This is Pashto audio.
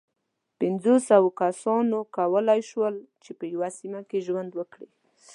پينځو سوو کسانو کولی شول، چې په یوه سیمه کې ژوند وکړي.